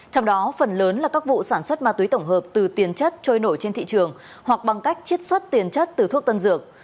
trong đó phần lớn là các vụ sản xuất ma túy tổng hợp từ tiền chất trôi nổi trên thị trường hoặc bằng cách chiết xuất tiền chất từ thuốc tân dược